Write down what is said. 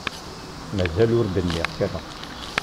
Mazal ur d-nniɣ kra.